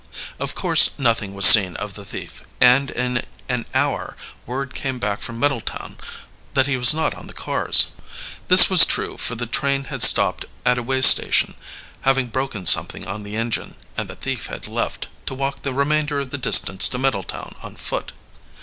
Of course nothing was seen of the thief, and in an hour word came back from Middletown that he was not on the cars. This was true, for the train had stopped at a way station, having broken something on the engine, and the thief had left, to walk the remainder of the distance to Middletown on foot.